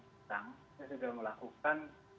sintang sudah melakukan